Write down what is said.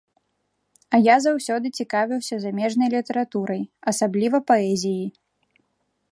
А я заўсёды цікавіўся замежнай літаратурай, асабліва паэзіяй.